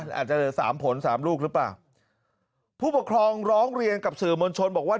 อาจจะเหลือสามผลสามลูกหรือเปล่าผู้ปกครองร้องเรียนกับสื่อมวลชนบอกว่า